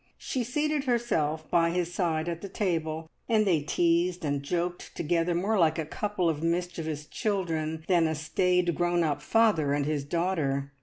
She seated herself by his side at the table, and they teased and joked together more like a couple of mischievous children than a staid, grown up father and his daughter.